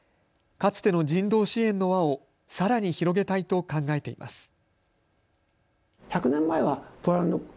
かつての人道支援の輪をさらに広げたいと考えています。